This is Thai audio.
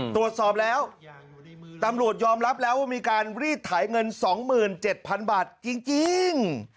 ตรวจสอบแล้วตำรวจยอมรับแล้วว่ามีการรีดไถเงิน๒๗๐๐๐บาทจริง